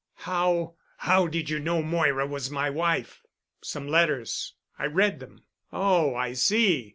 "How—how did you know Moira was my wife?" "Some letters. I read them." "Oh, I see.